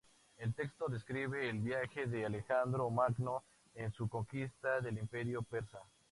El texto describe el viaje de Alejandro Magno en su conquista del Imperio persa.